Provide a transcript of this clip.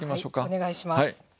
お願いします。